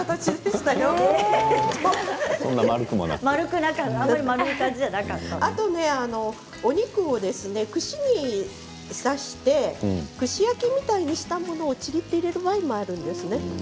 そしてお肉を串に刺して串焼きみたいにしたものをちぎって入れる場合もあるんですね。